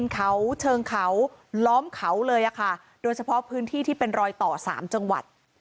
เขาเชิงเขาล้อมเขาเลยค่ะโดยเฉพาะพื้นที่ที่เป็นรอยต่อสามจังหวัด